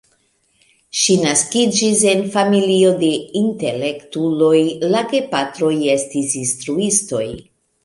Ŝi naskiĝis en familio de intelektuloj, la gepatroj estis instruistoj.